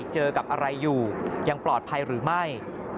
เจอกับอะไรอยู่ยังปลอดภัยหรือไม่